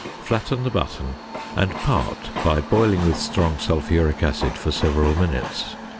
Flatten the button and part by boiling with strong sulphuric acid for several minutes.